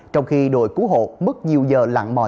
trong khi đội cứu hộ mất nhiều giờ lặng mỏi